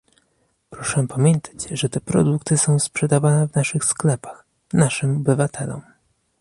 Proszę pamiętać, że te produkty są sprzedawane w naszych sklepach, naszym obywatelom